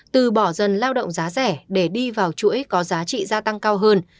từ bỏ dần lao động giá rẻ để đi vào chuỗi có giá trị gia tăng cao hơn